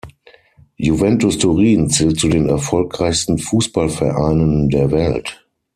Juventus Turin zählt zu den erfolgreichsten Fußballvereinen der Welt.